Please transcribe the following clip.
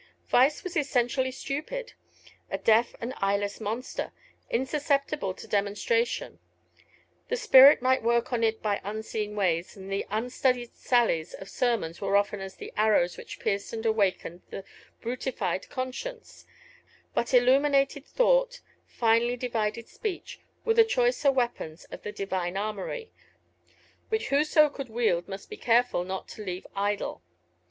Vice was essentially stupid a deaf and eyeless monster, insusceptible to demonstration: the Spirit might work on it by unseen ways, and the unstudied sallies of sermons were often as the arrows which pierced and awakened the brutified conscience; but illuminated thought, finely divided speech, were the choicer weapons of the Divine armory, which whoso could wield must be careful not to leave idle.